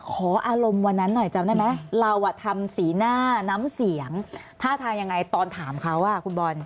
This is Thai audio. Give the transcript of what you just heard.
ขออารมณ์วันนั้นหน่อยจำได้ไหมเราทำสีหน้าน้ำเสียงท่าทางยังไงตอนถามเขาคุณบอล